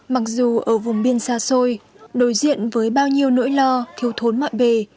mặc dù ở vùng biên xa xôi đối diện với bao nhiêu nỗi lo thiếu thốn mọi bề